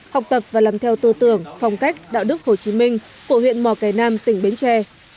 học tập và làm theo tư tưởng phong cách đạo đức hồ chí minh của huyện mò cải nam tỉnh bến tre